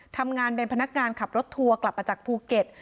ทำงานเป็นพนักงานขับรถทัวร์กลับมาจากภูเก็ต